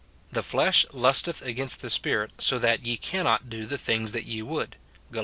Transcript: " The flesh lusteth against the Spirit, so that ye cannot do the things that ye would," Gal.